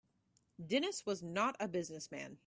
Dennis was not a business man.